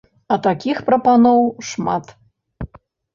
А такіх прапаноў шмат.